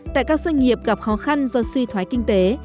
tại các doanh nghiệp gặp khó khăn do suy thoái kinh tế